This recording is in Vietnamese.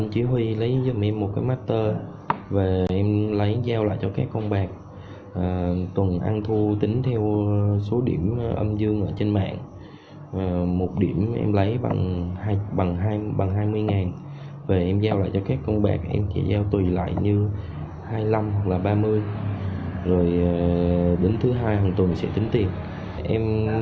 hãy đăng ký kênh để ủng hộ kênh của mình nhé